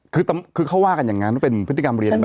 คือเขาว่ากันอย่างนั้นเป็นพฤติกรรมเรียนแบบ